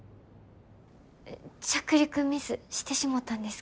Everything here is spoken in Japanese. え着陸ミスしてしもたんですけど。